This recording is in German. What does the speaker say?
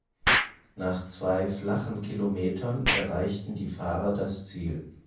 Nach zwei flachen Kilometern erreichten die Fahrer das Ziel.